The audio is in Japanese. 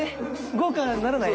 豪華にならない？